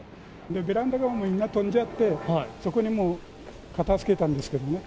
ベランダがみんな飛んじゃって、そこにもう片づけたんですけどね。